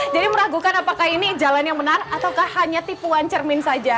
jadi meragukan apakah ini jalan yang benar atau hanya tipuan cermin saja